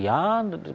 ya buang energi